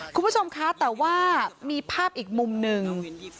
คุณผู้ชมคะแต่ว่ามีภาพอีกมุมหนึ่ง